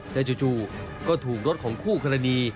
แต่จู่ก็ถูกรถของคู่กรณี